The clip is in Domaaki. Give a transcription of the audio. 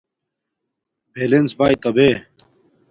بلنس باݵتا بے